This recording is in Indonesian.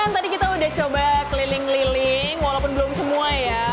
tadi udah diperlain aja